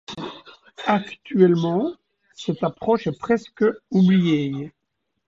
Actuellement, cette approche est presque oubliée.